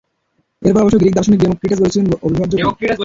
এরপর অবশ্য গ্রিক দার্শনিক ডেমেক্রিটাস বলেছিলেন অবিভাজ্য কণার কথা।